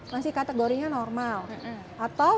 masih kategorinya normal atau